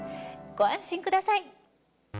ご安心ください。